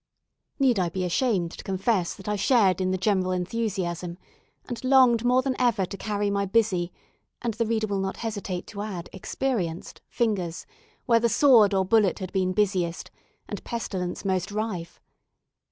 Need I be ashamed to confess that I shared in the general enthusiasm, and longed more than ever to carry my busy (and the reader will not hesitate to add experienced) fingers where the sword or bullet had been busiest, and pestilence most rife.